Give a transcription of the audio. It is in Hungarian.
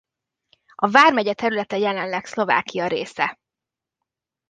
A vármegye területe jelenleg Szlovákia része.